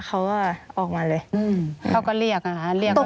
เขาก็ออกมาเลยเขาก็เรียกนะ